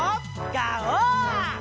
ガオー！